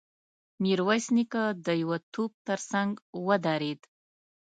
ميرويس نيکه د يوه توپ تر څنګ ودرېد.